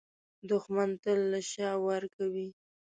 دښمن تل له شا وار کوي